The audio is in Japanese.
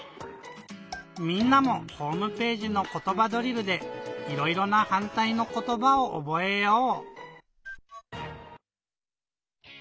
みんなもホームページの「ことばドリル」でいろいろなはんたいのことばをおぼえよう！